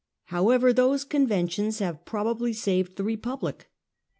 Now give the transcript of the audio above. However, those conventions have probably saved the republic.